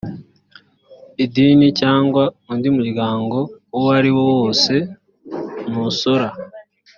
idini cyangwa undi muryango uwo ari wose ntusora